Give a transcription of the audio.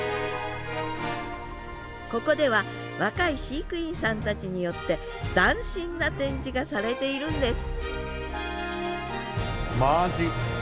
ここでは若い飼育員さんたちによって斬新な展示がされているんですマアジ。